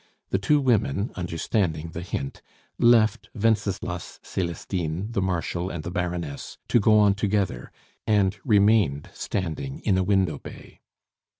The two women, understanding the hint, left Wenceslas, Celestine, the Marshal, and the Baroness to go on together, and remained standing in a window bay.